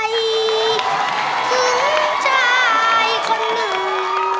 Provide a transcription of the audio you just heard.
ถึงชายคนหนึ่ง